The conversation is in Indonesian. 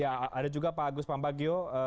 ya ada juga pak agus pambagio